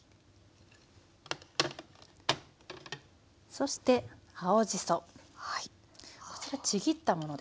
そして青じそこちらちぎったものですね。